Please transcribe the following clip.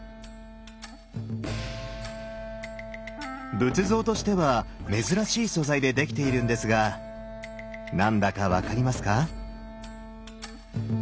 仏像としては珍しい素材で出来ているんですが何だか分かりますか？